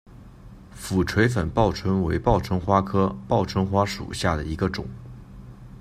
俯垂粉报春为报春花科报春花属下的一个种。